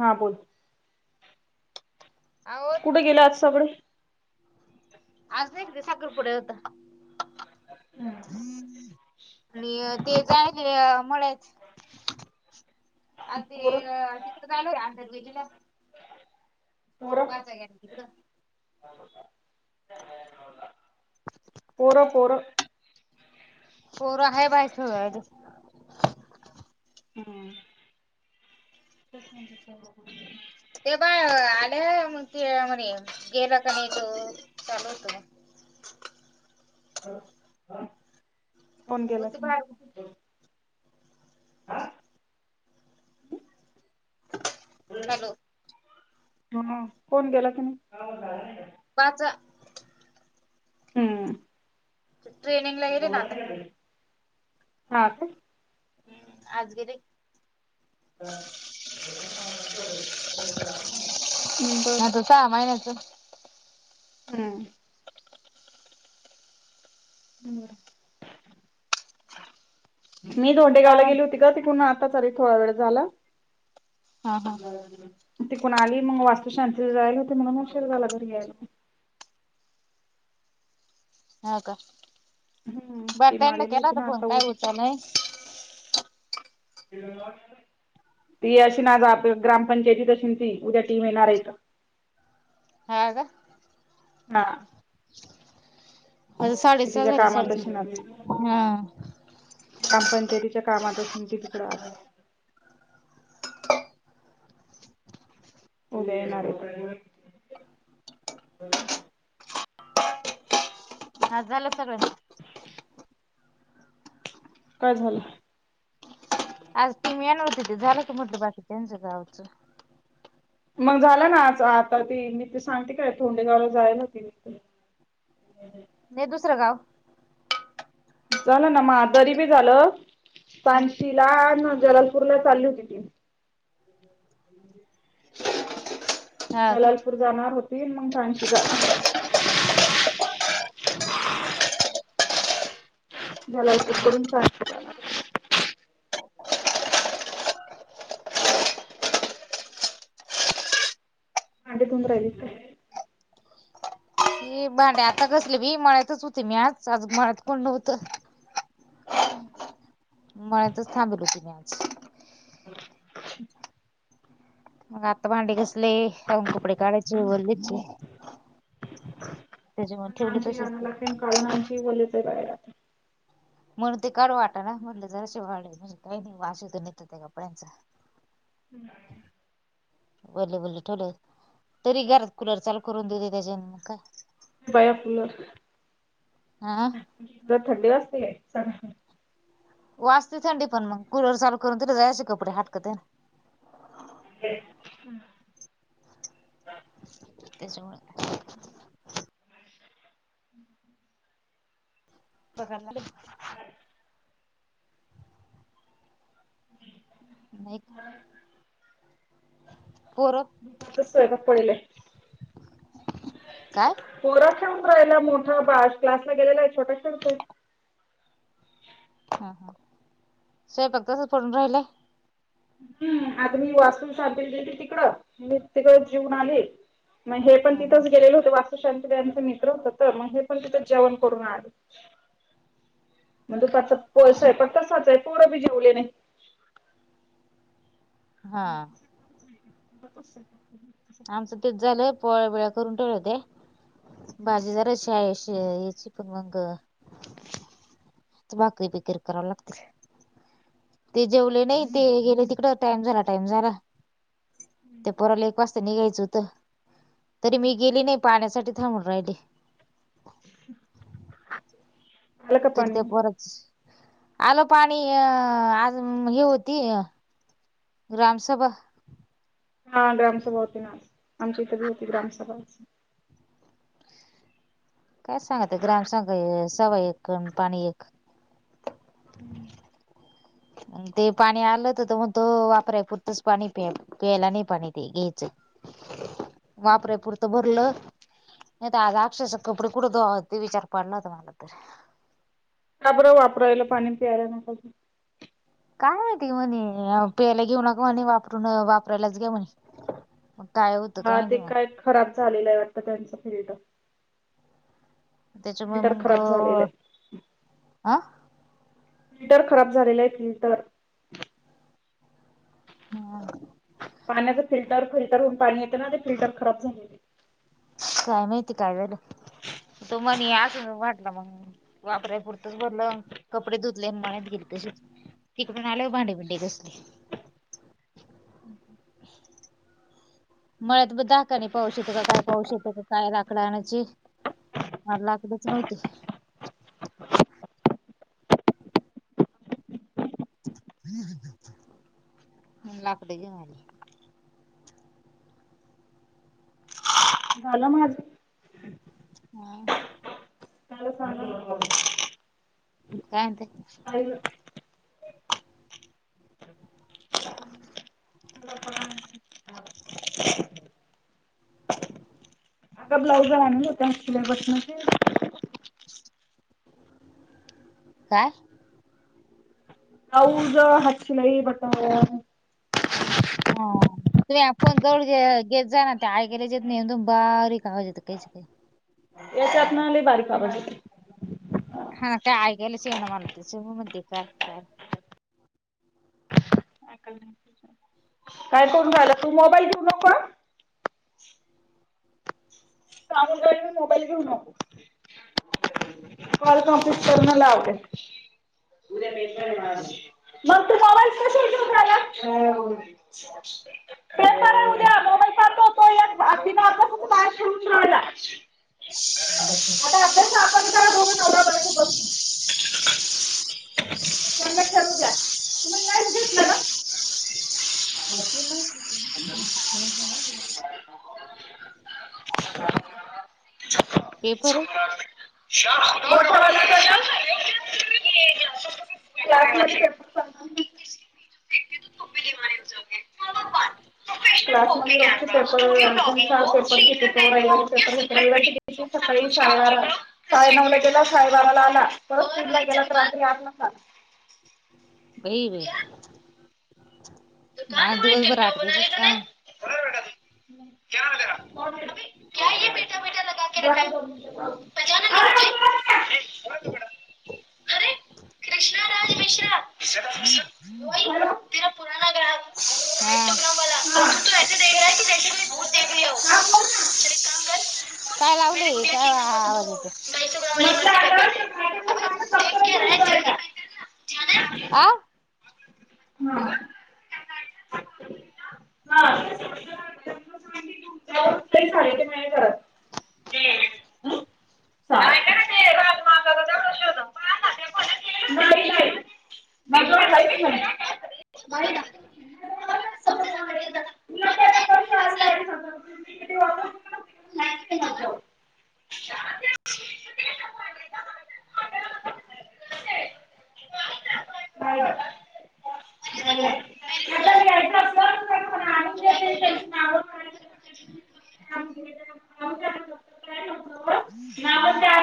हा बोल. अहो कुठे गेलं आज स आपण. आज नाही ते साखर पुडा होता. आणि ते जाय क म्ह्याच. आ ते पोरं तिकड झालोय जाणार आहे देवीला. वाचा की पुढ पोर पोर पोर आहे बाय खे [unintelligible] ते बाळ आले मग ते म्हणे गेला का नाही तो चालू होतो. [unintelligible] कोन मग मग केला. ते बाहेर हॅलो! ह कोण गेला तुम्. वाचा. हम्म ट्रेनिंग ला हेरे ना आता हा ते. आज गेरी. बरं. आता सहा महिन्याचं हम्म. [unintelligible] मी काय दधोंडेगावला म्हण गेली होती का तिकून आता चाले थोडा वेळ झाला. हा हा हम्म तिकण आली मग वास्तू शांतीला जायला होते मग मग उशरझाला घरी यायला. हा का हम्म बरं टीम त्यांनी आलेली केला होती तर ना फोन आता काय उद्या उत नाही. [inaudible] [unintelligible] ती अशी ना आज ग्रामपंचायतीत अशी ती उद्या टीम येणार आहेत. हाग. हा. आता क साडेसहा तिच्या झाले कामातशी साडेसहा नच. हा ग्रामपंचायतीच्या कामात शी तिकड आज. उद्या येणारे. हा झालं सगळं. काय झालं. आज तुम मही आणव तिथे झालं का म्हटलं बाकी त्यांच गावच. मग झाला ना आज आता ते मी ते सांगते काय ोंडेगावला जायला होती मी. [unintelligible] नाही दुसरं गाव. झालं ना मादरी बी झालं हा सांण शील. जललपूरला चालली होती ती हा का जलालपूर जाणार होती मग सांशिका झाला करून भांडी धून राहिली तर ते भांडे्या आता घासले बी मळ्यातच होते मी आज आज मळ्यात कोण नव्हतं मळ्यातच थांबले होते मी आज मग आत्ता भांडे घासले आवून कपडे काढायचे ओलेचे [inaudible] आमची ते आम्हाला तेन काढून आमची ओलीचयत बाहेरता म्हणून ते काढू वाटा ना म्हटलं जराशी वाळी म्हणजे काही नाही वाश यत त्या कपड्यांचा हम् वल्ले वल्ले ठेवलं तरी घरात कुलर चालू करून देते त्याच्यान म काय बया कुलर हा थंडे वासतीय स वाजते थंडी पण मग कुलवर चालू करून तरी जायचे कपडे हाटकत ना ते हम त्याच्यामुळे पगारला हम् नाही हम पोरं दुपारचाच स्वयपाक पडलय काय? पोरं राहिला मोठा क्लासला गेलेला आहे छोटा खेळतो हा हा स्वयपाक तसच पडून राहिलंय हम्म आग मी वास्तुशांतीला गेलते तिकडं मी तिकडच जीवुन आली मग हे पण हा हा. तिथच गेलेले होते वास्त शांतयांचा मित्र होत तर मग हे पण तिथं जेवण करून आले मग दुपारचा प स्वयपाक तसाचय पोर बी जेवले नाही हा [unintelligible] आमचं तेच झालं पोळ्या बिळ्या करून ठेवलं होते भाजी जराशी आहे अशी यची पण मंग तर भाकरी बिकरी करावं लागतय ते जेवले नाही ते गेले तिकड टाइम झाला टाइम झाला ते पोराला एक वास्ता निघायचं होतं तरी मी गेली नाही पाण्यासाठी थांबून राहीले [inaudible] तर् पाणी त्या पोराची आलं पाणी अ आज हे होती ग्राम सभा हा ग्रामसभा होती ना आज आमच्या इथे ब होती ग्रामसभा काय सांगत ग्रामसघ सभा एकन पाणी एक ते पाणी आलं होत तर म्हणतो वापराय पुरतंच पाणी प्या प्यायला नाही पाणी ते घ्यायचं [inaudible] वापराय पुरतं भरलं नाही तर आज आक्षरशा कपडे कुठं धुवाव ते विचार पडला होता मला तर का बरं वापरायला पाणी पियाला न पा काय माहिती म्हणे प्यायला घेऊ नका म्हणे वापरून वापरायलाच घ्या म्हणे काय होतं हा ते माहिती काय मग खराब झालेलं आहे वाटतं त्यांचं फिल्ट त्याच्यामुळे मंग झालेलं आहे. अ फिल्टर खराब झालेला आहे फिल्टर हम. पाण्याच फिल्टर-फिल्टर हून पाणी येते ना. ते फिल्टर खराब झाले आहे. काय माहिती काय झालय. तो म्हणे असं म्हटलं मग. वापराय पुुरतंच भरलं कपडे धुतले मळ्यात गेले. त तिकडून आले भांडेबिंडी घासले. हम् ह [unintelligible] मळ्यात ब दाका नाही पाऊस येतो का काय. पाऊस येतो का काय. लाकड आणची. मला लाकडच नव्हती. लाकडे घेऊन आली. झालं माझं. हम. त्याला सांग काय म्हणते. आग ब्लाउज आणल [unintelligible] काय. ब्लाउज. हात शिलाई. बटन. हा तुम्ही फोन जवळ घेत जा ना. ते ऐकायला येत नाही एकदम बारी कावाज येत काही. का [unintelligible] याच्यात ना लई बारीक आवाज येतोय. हा काय ऐकायला च येईना मला [inaudible] काय-काय काय करून राहिला. तू मोबाईल ठेऊ नको हा. सांगून राहिले मी मोबाईल घेऊ नको. कॉल कम्प्लीट कर मग लावते. मग तू मोबाईल कशाला घेऊन राहिला. पेपर आहे उद्या. मोबाईल पाठव. बिना अभ्यासाचा खेळून राहिला. आता अभ्यास आपण करू दोघं नवरा-बायको बसू. तेना ठरवू द्या. तुम्ही नाही. घेतल ना. पेपर आहे कस कलास [unintelligible] सकाळी साडेबारा साडे नऊला गेला. साडेबाराला आला. परत दीडला गेला ते रात्री आठलाच आला. काही कहाँ माज डबल दिवसभर टिकटॉक बना ली रात्रीचच काम तूने आहे. कलर बेटा तू [unintelligible] हो तिकड. कृष्णा राज मिश्र. ग [unintelligible] ढाई हा सो ग्राम वाला तू े देख रहाी देश म बुत देखली [unintelligible] अगर. काय म लावलंय गुठ काय आखी म स आवाज येतो गाई सगरा [unintelligible] हा हम हा. चाले ते कर [unintelligible] मा प्रशोद [unintelligible] नाही. नाही. माझ्यावर काहीच नाही. अ [unintelligible] हम्म हम्म [unintelligible]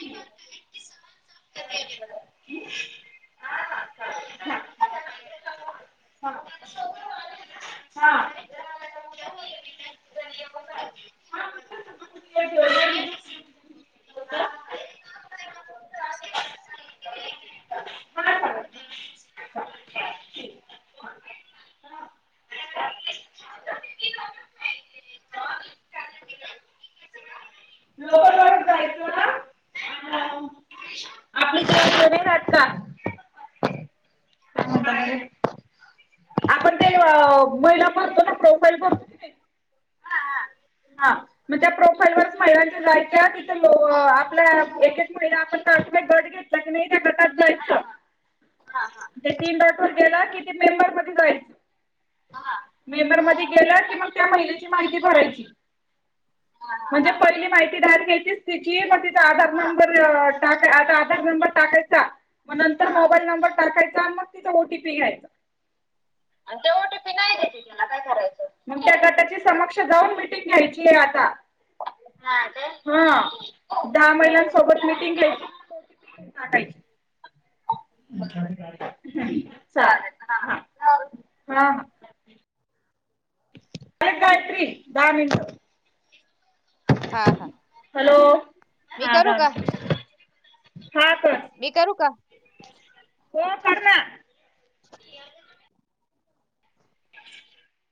[unintelligible] [inaudible] [unintelligible] हा हा [unintelligible] [unintelligible] [unintelligible] लोय [unintelligible] नाही राहत का काय म्हणता बरं? आपण ते महिला [unintelligible] भरतो ना प्रोफाईल भरतो की नाही हा [unintelligible] तिथ आपल्या एकच महिला आपण गट घेतला क नाही त्या गटात जायचं ते तीन डॉट [unintelligible] वर गेला कि ते मेंबर मध्ये मध्ये गेला क म माहिती भरायची म्हणजे पहिली माहिती दहा घ्यायचीच तिची म तिचा आधार नंबर टा आ [unintelligible] नंबर टाकायचा. मग नंतर मोबाईल नंबर टाकायचा आणि मग तिथं ओटीपी घ्यायचा. आणि ते ओटीपी नाही देते त्याला काय करायचं? मग त्या गटाची समक्ष जाऊन मीटिंग घ्यायची आहे आता हा काय? हा दहा महिलांसोबत मिटिंग घ्यायची टाकायची चालेल हा हा हा अरे गायत्री दहा मिनिटं हा हा मी करू आधार का मी करू का? हो कर ना. [inaudible]